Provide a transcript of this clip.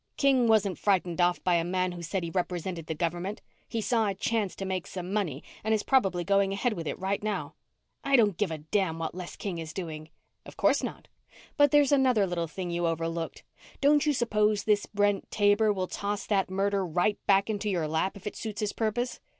King wasn't frightened off by a man who said he represented the government. He saw a chance to make some money and is probably going ahead with it right now." "I don't give a damn what Les King is doing!" "Of course not. But there's another little thing you overlooked. Don't you suppose this Brent Taber will toss that murder right back into your lap if it suits his purpose?